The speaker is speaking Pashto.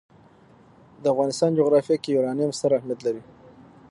د افغانستان جغرافیه کې یورانیم ستر اهمیت لري.